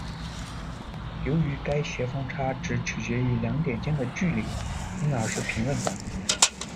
由于该协方差只取决于两点间的距离，因而是平稳的。